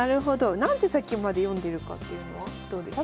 何手先まで読んでるかっていうのはどうですか？